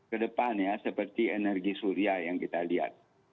saya kira ke depan ya seperti energi surya yang kita lihat